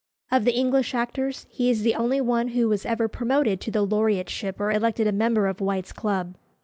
Of the English actors, he is the only one who was ever promoted to the laureateship or elected a member of White's Club."